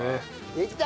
できた！